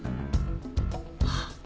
あっ！